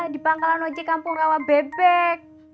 di pangkalan ojek kampung rawa bebek